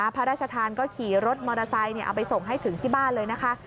พระราชทานก็ขี่รถมอเตอร์ไซค์เอาไปส่งให้ถึงที่บ้านเลยนะคะ